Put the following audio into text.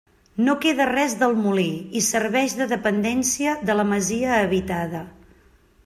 No queda res del molí i serveix de dependència de la masia habitada.